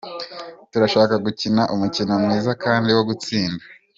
Turashaka gukina umukino mwiza kandi wo gutsinda.